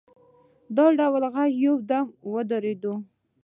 د ډول غږ یو دم ودرېد.